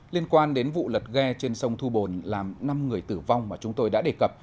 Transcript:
liên quan đến vụ lật ghe trên sông thu bồn làm năm người tử vong mà chúng tôi đã đề cập